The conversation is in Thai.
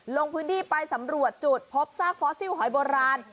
ลงพื้นที่ไปสำรวจจุดพบซากฟอสซิลหอยโบราณ